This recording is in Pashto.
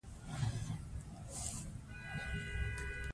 د مراد کور تر بل چا ښه دی.